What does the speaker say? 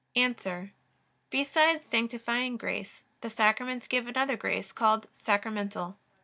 A. Besides sanctifying grace the Sacraments give another grace, called sacramental.